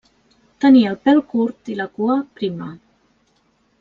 Tenia el pèl curt i la cua prima.